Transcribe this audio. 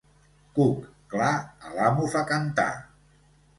Cuc clar, a l'amo fa cantar.